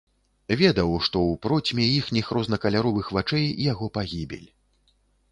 Ведаў, што ў процьме іхніх рознакаляровых вачэй яго пагібель.